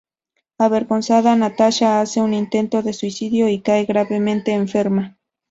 Avergonzada, Natasha hace un intento de suicidio y cae gravemente enferma.